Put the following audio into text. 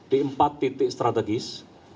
di empat titik strategis